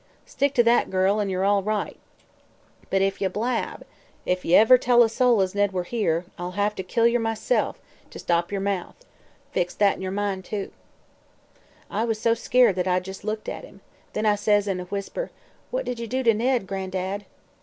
Stick to that, girl, an' yer all right; but if ye blab if ye ever tell a soul as Ned were here I'll hev to kill yer myself, to stop yer mouth. Fix that in yer mind, too.' "I was so skeered that I jes' looked at him. Then I says in a whisper: 'What did ye do to Ned, Gran'dad?'